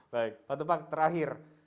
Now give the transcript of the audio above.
baik pak tepang terakhir